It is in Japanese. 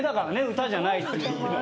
歌じゃないっていうのはね。